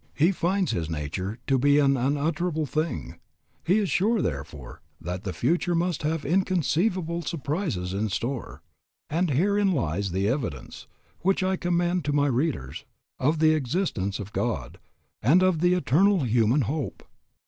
He finds his nature to be an unutterable thing; he is sure therefore that the future must have inconceivable surprises in store. And herein lies the evidence, which I commend to my readers, of the existence of God, and of the Eternal human Hope.